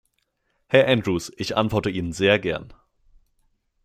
Herr Andrews, ich antworte Ihnen sehr gern.